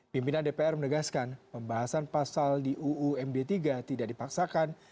pimpinan dpr menegaskan pembahasan pasal di uumd tiga tidak dipaksakan